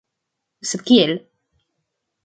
Sed kiel?